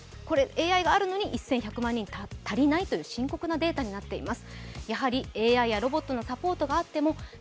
ＡＩがあるのに１１００万人足りないという深刻なデータになっています。